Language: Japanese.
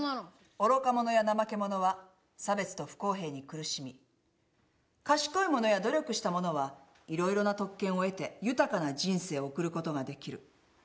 「愚か者や怠け者は差別と不公平に苦しみ賢い者や努力した者は色々な特権を得て豊かな人生を送ることができる」